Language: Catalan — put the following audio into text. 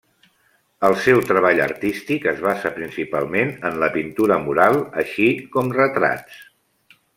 El seu treball artístic es basa principalment en la pintura mural, així com retrats.